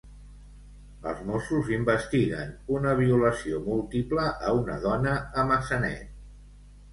Els Mossos investiguen una violació múltiple a una dona a Massanet.